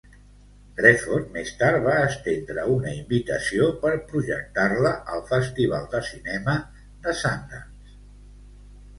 Redford més tard va estendre una invitació per projectar-la al Festival de Cinema de Sundance.